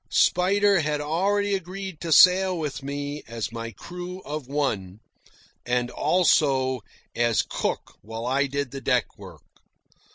Spider had already agreed to sail with me as my crew of one, and, also, as cook while I did the deck work.